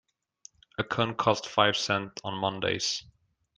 A cone costs five cents on Mondays.